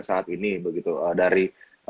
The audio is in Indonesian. saat ini begitu dari